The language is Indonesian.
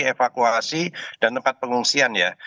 jadi evakuasi dan tempat pengungsian ya